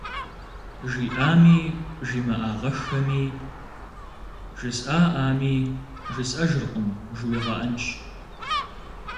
Жиӏами жимыӏагъэххэми, жысӏаӏами, жысӏэжыркъым жыуигъэӏэнщ.